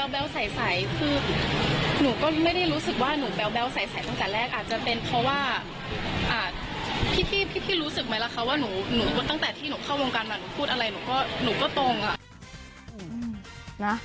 แววใสคือหนูก็ไม่ได้รู้สึกว่าหนูแบ๊วใสตั้งแต่แรกอาจจะเป็นเพราะว่าพี่รู้สึกไหมล่ะคะว่าหนูตั้งแต่ที่หนูเข้าวงการมาหนูพูดอะไรหนูก็หนูก็ตรงอ่ะ